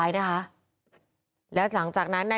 พุ่งเข้ามาแล้วกับแม่แค่สองคน